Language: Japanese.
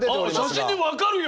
写真でも分かるよ！